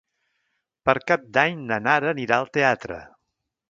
Per Cap d'Any na Nara anirà al teatre.